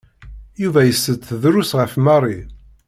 Yuba itett drus ɣef Mary.